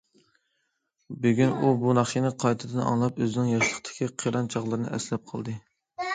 بۈگۈن ئۇ بۇ ناخشىنى قايتىدىن ئاڭلاپ، ئۆزىنىڭ ياشلىقتىكى قىران چاغلىرىنى ئەسلەپ قالدى.